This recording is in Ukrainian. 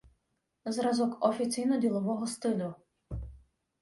Зразок офіційно- ділового стилю